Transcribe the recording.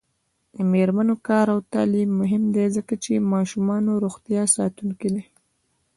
د میرمنو کار او تعلیم مهم دی ځکه چې ماشومانو روغتیا ساتونکی دی.